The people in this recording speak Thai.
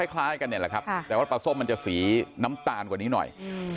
คล้ายกันเนี่ยแหละครับแต่ว่าปลาส้มมันจะสีน้ำตาลกว่านี้หน่อย